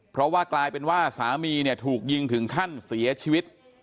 เพราะว่ากลายเป็นว่าสามีเนี่ยถูกยิงถึงขั้นเสียชีวิต